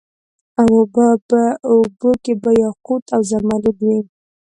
او اوبو کي به یاقوت او زمرود وي